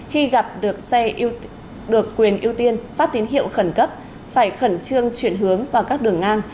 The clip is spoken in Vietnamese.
khi gặp được quyền ưu tiên phát tín hiệu khẩn cấp phải khẩn trương chuyển hướng vào các đường ngang